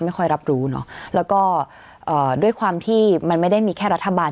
ไม่ค่อยรับรู้เนอะแล้วก็เอ่อด้วยความที่มันไม่ได้มีแค่รัฐบาล